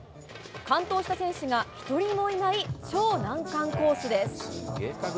完登した選手が一人もいない超難関コースです。